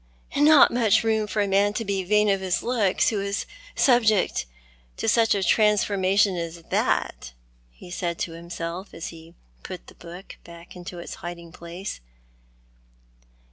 "Not much room for a man to be vain of his looks who is subject to such a transformation as that," he said to himself, as he put the book back into its hiding place.